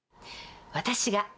私が。